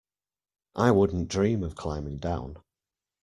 I wouldn't dream of climbing down.